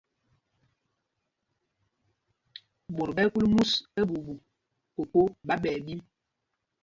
Ɓot ɛɓuuɓu ɓɛ kúl mus, kokō ɓá ɓɛ ɛɓīm.